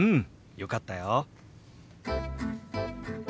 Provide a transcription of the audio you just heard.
よかったよ。